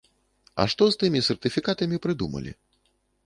А што з тымі сертыфікатамі прыдумалі?